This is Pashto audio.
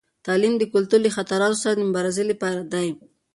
تعلیم د کلتور له خطراتو سره د مبارزې لپاره دی.